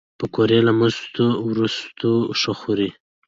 پکورې له مستو وروسته ښه خوري